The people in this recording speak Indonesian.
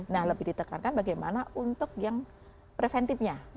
nah lebih ditekankan bagaimana untuk yang preventifnya